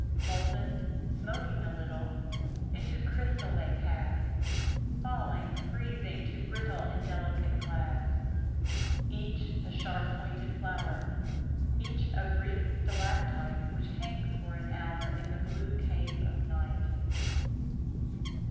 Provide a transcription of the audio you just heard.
Molten, smoking a little. Into crystal they pass; Falling, freezing, to brittle And delicate glass. Elinor Wylie Each a sharp pointed flower, Each a brief stalactite Which hangs for an hour In the blue cave of night.